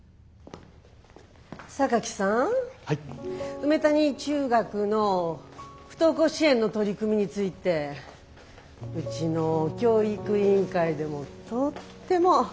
梅谷中学の不登校支援の取り組みについてうちの教育委員会でもとっても注目してるんですのよ。